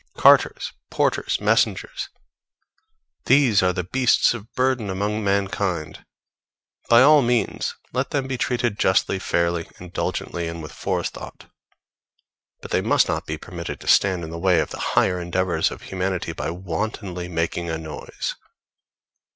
Carters, porters, messengers these are the beasts of burden amongst mankind; by all means let them be treated justly, fairly, indulgently, and with forethought; but they must not be permitted to stand in the way of the higher endeavors of humanity by wantonly making a noise.